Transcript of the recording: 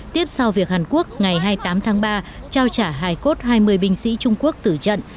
tiếp sau việc hàn quốc ngày hai mươi tám tháng ba trao trả hài cốt hai mươi binh sĩ trung quốc tử trận